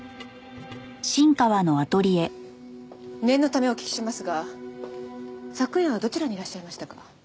念のためお聞きしますが昨夜はどちらにいらっしゃいましたか？